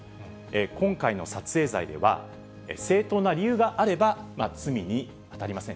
今回の撮影罪では、正当な理由があれば罪に当たりません。